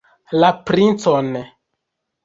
La princon!